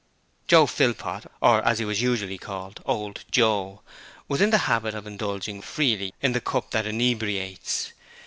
Joe Philpot or as he was usually called, 'Old Joe' was in the habit of indulging freely in the cup that inebriates.